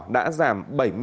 đã giảm bảy mươi bảy năm